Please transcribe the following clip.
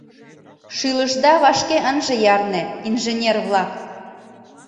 Шӱлышда вашке ынже ярне, инженер-влак.